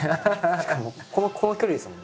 しかもこの距離ですもんね。